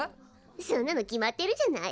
そんなの決まってるじゃない。